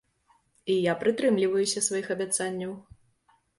І я прытрымліваюся сваіх абяцанняў.